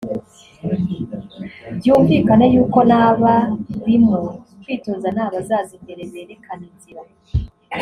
byumvikane y’uko n’abarimo kwitoza ni abazaza imbere berekana inzira